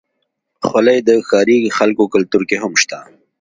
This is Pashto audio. خولۍ د ښاري خلکو کلتور کې هم شته.